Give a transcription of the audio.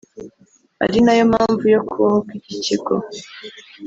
ari nayo mpamvu yo kubaho kw’iki kigo”